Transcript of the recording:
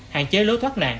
hạn chế lối thoát nạn